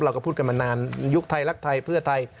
เราก็พูดกันมานานยุคไทยรักไทยเพื่อไทย